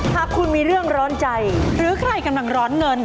หากคุณมีเรื่องร้อนใจหรือใครกำลังร้อนเงิน